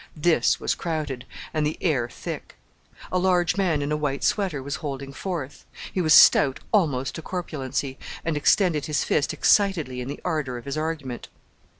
This was crowded, and the air thick. A large man in a white sweater was holding forth. He was stout almost to corpulency, and extended his fist excitedly in the ardour of his argument.